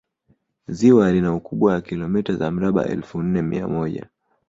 ziwa lina ukubwa wa kilomita za mraba elfu nne mia moja